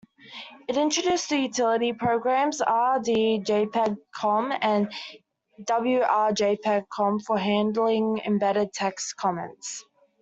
It introduced the utility programs "rdjpgcom" and "wrjpgcom" for handling embedded text comments.